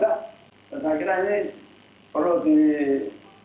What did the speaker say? dan saya kira ini perlu dihargai juga